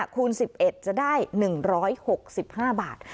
คูณ๑๑จะได้๑๖๕บาท